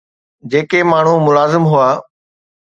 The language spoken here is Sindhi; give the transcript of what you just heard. جيڪي ماڻهو ملازم هئا